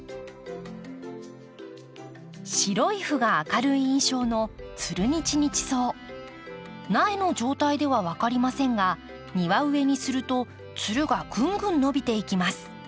白い斑が明るい印象の苗の状態では分かりませんが庭植えにするとつるがぐんぐん伸びていきます。